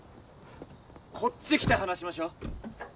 こっち来て話しましょう。